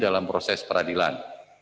dalam proses peradilan